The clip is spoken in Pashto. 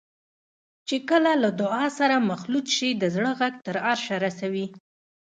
چې کله له دعا سره مخلوط شي د زړه غږ تر عرشه رسوي.